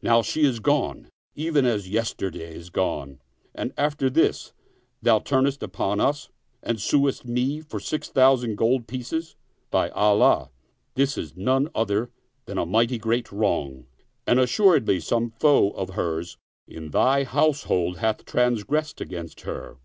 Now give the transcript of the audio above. Now she is gone, even as yesterday is gone; and after this thou turnest upon us and suest me for six thou sand gold pieces. By Allah, this is none other than a mighty great wrong, and assuredly some foe of hers in thy house hold hath transgressed against her